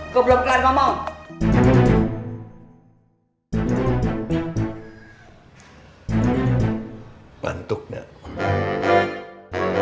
kok belum kelar ngomong